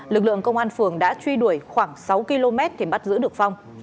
lực lượng công an phường đã truy đuổi khoảng sáu km thì bắt giữ được phong